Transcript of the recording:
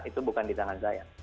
itu bukan di tangan saya